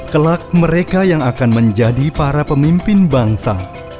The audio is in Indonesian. kelak mereka yang akan menjadi para pemimpin bangsa